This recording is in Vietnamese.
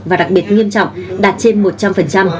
và đặc biệt nghiêm trọng đạt trên một trăm linh